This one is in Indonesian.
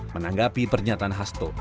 menanggapi pernyataan hasto